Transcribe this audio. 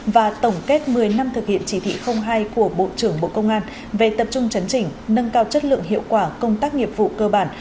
và tổng kết một mươi năm thực hiện chỉ thị hai của bộ trưởng bộ công an về tập trung chấn chỉnh nâng cao chất lượng hiệu quả công tác nghiệp vụ cơ bản